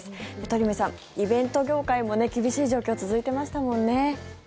鳥海さん、イベント業界も厳しい状況続いてましたもんね。